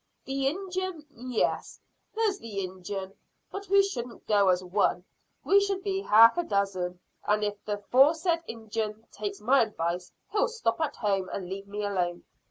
"The Injun? Yes, there's the Injun, but we shouldn't go as one. We should be half a dozen, and if the 'foresaid Injun takes my advice he'll stop at home and leave me alone.